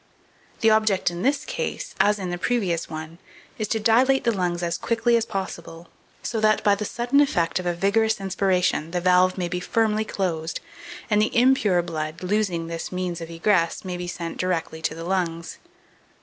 2463. The object in this case, as in the previous one, is to dilate the lungs as quickly as possible, so that, by the sudden effect of a vigorous inspiration, the valve may be firmly closed, and the impure blood, losing this means of egress, be sent directly to the lungs.